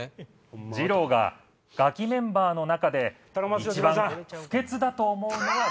・二朗がガキメンバーの中で一番不潔だと思うのは誰？